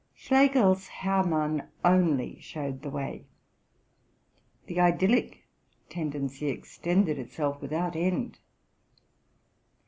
Schlegel's '* Hermann '"' only showed the way. The idyllic tendenay extended itself without end.